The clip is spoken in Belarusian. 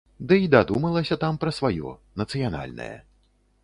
Дый думалася там пра сваё, нацыянальнае.